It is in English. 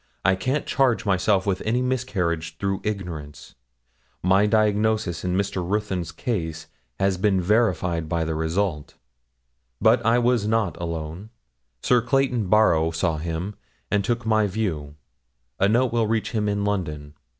I can't charge myself with any miscarriage through ignorance. My diagnosis in Mr. Ruthyn's case has been verified by the result. But I was not alone; Sir Clayton Barrow saw him, and took my view; a note will reach him in London.